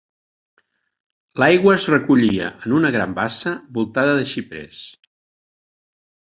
L’aigua es recollia en una gran bassa, voltada de xiprers.